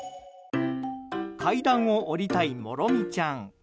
階段を下りたいもろみちゃん。